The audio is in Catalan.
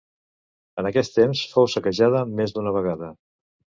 En aquest temps fou saquejada més d'una vegada.